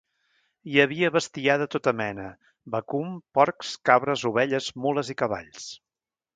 Hi havia bestiar de tota mena: vacum, porcs, cabres, ovelles, mules i cavalls.